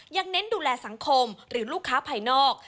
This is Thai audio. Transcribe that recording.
เน้นดูแลสังคมหรือลูกค้าภายนอก